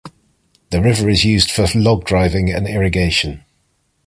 The river is used for log driving and irrigation.